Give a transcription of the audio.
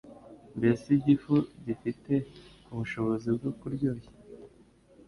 Mbese igifu gifite ubushobozi bwo kuryoshya